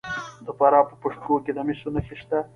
د فراه په پشت کوه کې د مسو نښې شته.